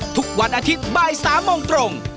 ทุกวันอาทิตย์บ่าย๓โมงตรง